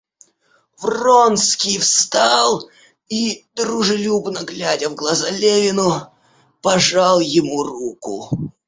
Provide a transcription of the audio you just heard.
Вронский встал и, дружелюбно глядя в глаза Левину, пожал ему руку.